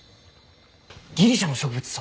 ギリシャの植物相！？